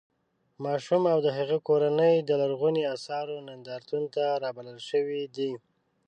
ماشوم او د هغه کورنۍ د لرغونو اثارو نندارتون ته رابلل شوي دي.